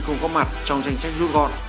không góp mặt trong danh sách lugot